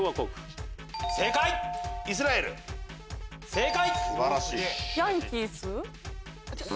正解。